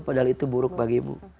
padahal itu buruk bagimu